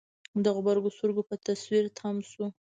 د غبرګو سترګو په تصوير تم شو.